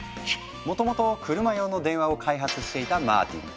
もともとクルマ用の電話を開発していたマーティン。